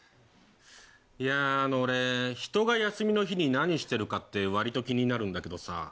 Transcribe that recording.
いや俺ひとが休みの日に何してるかって割と気になるんだけどさ。